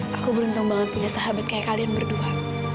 aku beruntung banget punya sahabat kayak kalian berdua